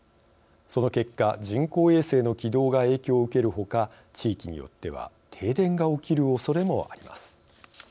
その結果人工衛星の軌道が影響を受けるほか地域によっては停電が起きるおそれもあります。